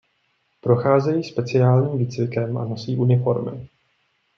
Procházejí speciálním výcvikem a nosí uniformy.